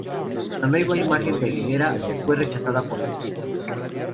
La nueva imagen de Aguilera fue rechazada por los críticos.